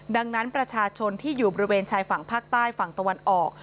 ดังนั้นประชาชนที่อยู่บริเวณชายฝั่งภาคใต้ฝั่งตะวันออก